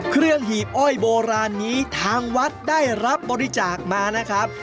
หีบอ้อยโบราณนี้ทางวัดได้รับบริจาคมานะครับ